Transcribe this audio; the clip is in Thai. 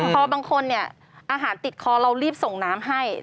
พอบางคนอาหารติดคอเรารีบส่งน้ำให้